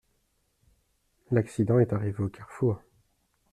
L’accident est arrivé au carrefour.